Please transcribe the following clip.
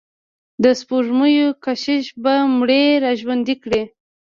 د سپوږمیو کشش به مړي را ژوندي کړي.